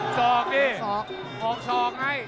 สอกดิออกสอกให้